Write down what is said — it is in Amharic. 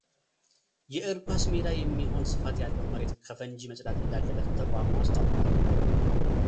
የእግር ኳስ ሜዳ የሚሆን ስፋት ያለው መሬት ከፈንጂ መጸዳት እንዳለበትም ተቋሙ አስታውቋል።